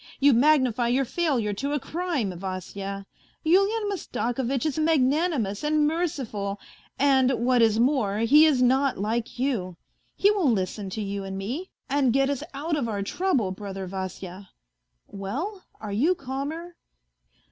You|magnify your failure to a crime, Vasya. Yulian Mastakovitch is a magnanimous and merciful, and, what is more, he is not like you. He will listen to you and me, and get us out of our trouble, brother Vasya. Well, are you calmer